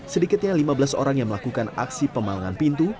sedikitnya lima belas orang yang melakukan aksi pemalangan pintu